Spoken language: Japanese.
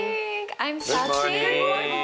アイムサチ。